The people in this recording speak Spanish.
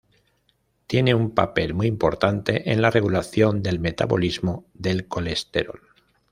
Tiene un papel muy importante en la regulación del metabolismo del colesterol.